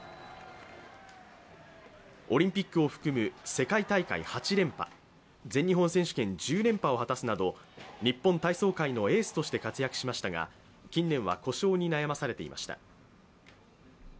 オリンピックを含む世界大会８連覇全日本選手権１０連覇を果たすなど日本体操界のエースとして活躍しましたが近年は故障に悩まされていました。